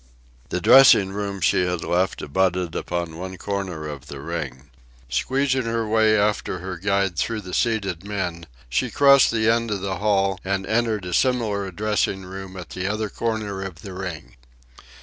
The dressing room she had left abutted upon one corner of the ring. Squeezing her way after her guide through the seated men, she crossed the end of the hall and entered a similar dressing room at the other corner of the ring.